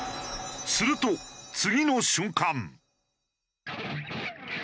すると次の瞬間。